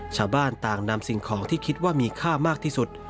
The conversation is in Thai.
ชาวบ้านต่างนำสิ่งของที่คิดว่ามีค่ามากที่สุด